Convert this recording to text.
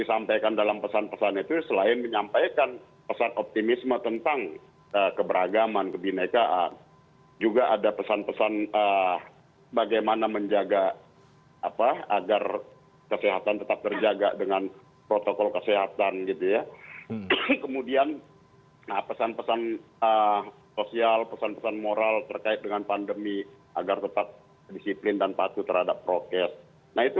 sama bukan hanya di internal partai